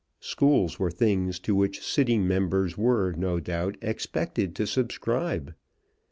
Schools were things to which sitting members were, no doubt, expected to subscribe.